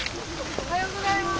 おはようございます。